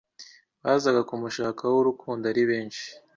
bazaga kumushakaho urukundo ari benshi